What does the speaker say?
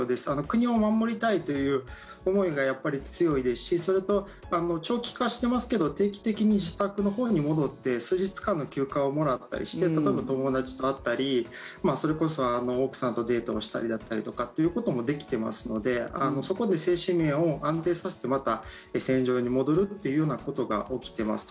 国を守りたいという思いがやっぱり強いですしそれと、長期化してますけど定期的に自宅のほうに戻って数日間の休暇をもらったりして例えば友達と会ったりそれこそ奥さんとデートをしたりだったりとかということもできてますのでそこで精神面を安定させてまた戦場に戻るというようなことが起きています。